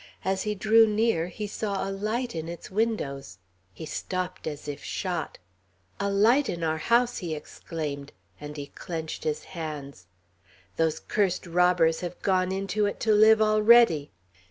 As he drew near, he saw a light in its windows. He stopped as if shot. "A light in our house!" he exclaimed; and he clenched his hands. "Those cursed robbers have gone into it to live already!"